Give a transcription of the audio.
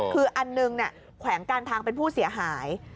คืออันหนึ่งแขวงการทางเป็นผู้เสียหาย